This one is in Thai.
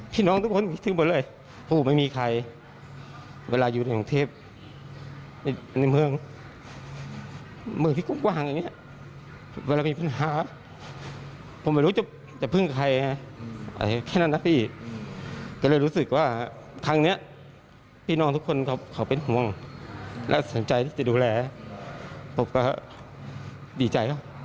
พี่น้องทุกคนเขาเป็นห่วงและสนใจที่จะดูแลผมก็ดีใจแล้ว